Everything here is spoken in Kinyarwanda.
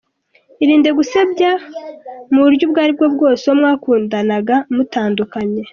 Irinde gusebya mu buryo ubwo aribwo bwose uwo mwakundanaga mutandukanye.